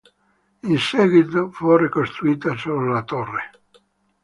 In seguito fu ricostruita solo la torre.